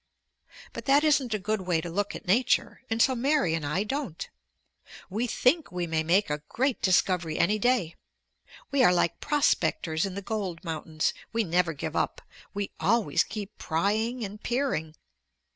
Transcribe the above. But that isn't a good way to look at Nature. And so Mary and I don't. We think we may make a great discovery any day. We are like prospectors in the gold mountains. We never give up; we always keep prying and peering.